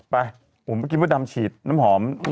ไปผมกินมัวดำฉีดน้ำหอม